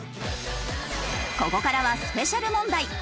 ここからはスペシャル問題。